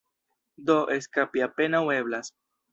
Do, eskapi apenaŭ eblas.